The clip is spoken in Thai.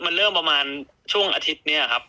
มันเริ่มประมาณช่วงอาทิตย์นี้ครับ